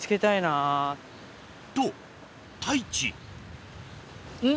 と太一ん？